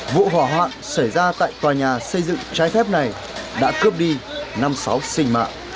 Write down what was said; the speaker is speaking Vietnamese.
vụ hỏa hoạn xảy ra tại tòa nhà xây dựng trái phép này đã cướp đi năm sáu sinh mạng